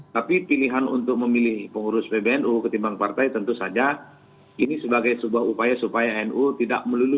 tapi pilihan untuk memilih pengurus pbnu ketimbang partai tentu saja ini sebagai sebuah upaya supaya nu tidak melulu